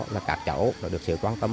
là các cháu được sự quan tâm